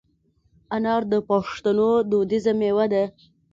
انار د پښتنو دودیزه مېوه ده.